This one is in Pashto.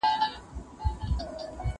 ټول عالم ليدل چي لوڅ سلطان روان دئ